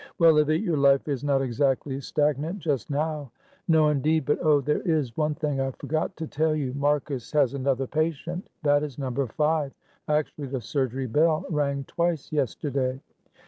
"Well, Livy, your life is not exactly stagnant just now." "No, indeed; but, oh, there is one thing I forgot to tell you. Marcus has another patient, that is number five. Actually the surgery bell rang twice yesterday."